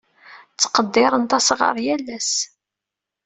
Ttqeddirent asɣar yal ass.